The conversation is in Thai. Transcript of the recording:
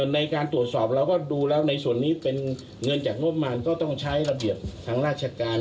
ในการตรวจสอบเราก็ดูแล้วในส่วนนี้เป็นเงินจากงบมารก็ต้องใช้ระเบียบทางราชการ